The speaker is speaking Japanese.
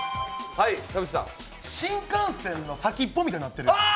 新幹線の先っぽみたいになってるやん？